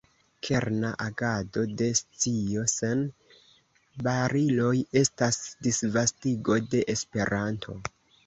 Kerna agado de “Scio Sen Bariloj” estas disvastigo de Esperanto.